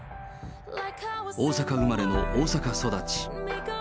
大阪生まれの大阪育ち。